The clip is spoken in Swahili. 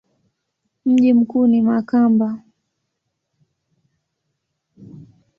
Mji mkuu ni Makamba.